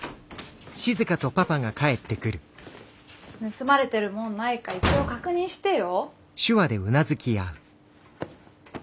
盗まれてる物ないか一応確認してよ。